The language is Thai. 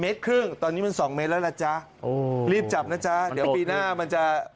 ครึ่งตอนนี้มันสองเมตรแล้วล่ะจ๊ะรีบจับนะจ๊ะเดี๋ยวปีหน้ามันจะ